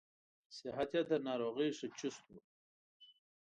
صحت یې تر ناروغۍ ښه چست و.